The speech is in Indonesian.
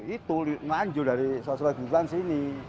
itu lanjut dari sosro dipuran sini